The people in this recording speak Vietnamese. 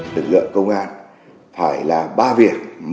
chất lượng công an phải là ba việc